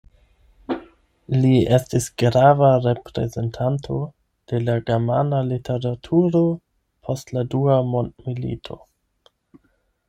Li estis grava reprezentanto de la germana literaturo post la Dua mondmilito.